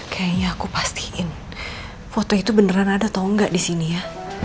kayaknya aku pastiin foto itu beneran ada atau enggak di sini ya